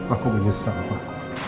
aku menyesal pak